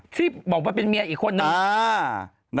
ที่บอกว่าเป็นเมียอีกคนนึง